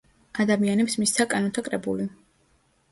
ადამიანებს მისცა კანონთა კრებული.